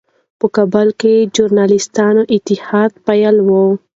په کابل کې ژورنالېستانو اتحادیه فعاله وه.